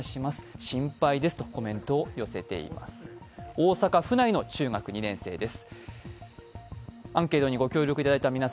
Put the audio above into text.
大阪府内の中学２年生です。